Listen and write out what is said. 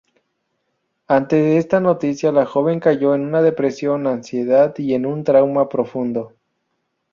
Ante esta noticia, la joven cayó en depresión, ansiedad y en un trauma profundo.